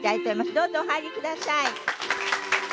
どうぞお入りください。